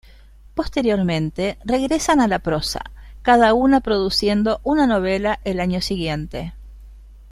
Posteriormente regresan a la prosa, cada una produciendo una novela el año siguiente.